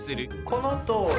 このとおり。